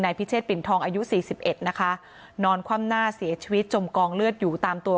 พิเชษปิ่นทองอายุสี่สิบเอ็ดนะคะนอนคว่ำหน้าเสียชีวิตจมกองเลือดอยู่ตามตัว